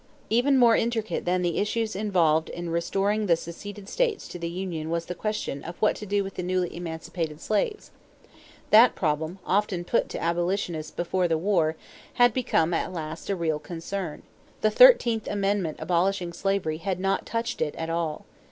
= Even more intricate than the issues involved in restoring the seceded states to the union was the question of what to do with the newly emancipated slaves. That problem, often put to abolitionists before the war, had become at last a real concern. The thirteenth amendment abolishing slavery had not touched it at all.